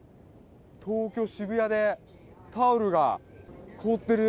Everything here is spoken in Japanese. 東京・渋谷でタオルが凍ってる。